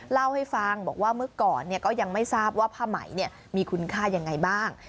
เล่าให้ฟังบอกว่าเมื่อก่อนก็ยังไม่ทราบว่าผ้าไหมมีคุณค่ายังไงบ้าง